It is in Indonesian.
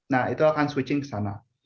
nah itu akan switching ke sana